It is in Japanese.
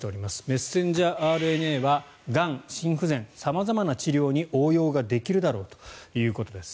メッセンジャーＲＮＡはがん、心不全様々な治療に応用ができるだろうということです。